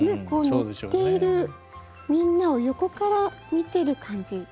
乗っているみんなを横から見てる感じ。